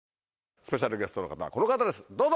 スペシャルゲストの方この方ですどうぞ！